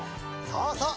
そうそう！